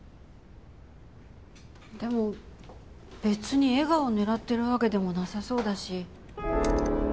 でも別に笑顔を狙ってるわけでもなさそうだし。